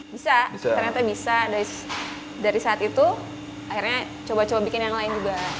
bisa ternyata bisa dari saat itu akhirnya coba coba bikin yang lain juga